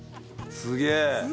すげえ！